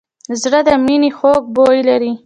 زړه د مینې خوږ بوی لري.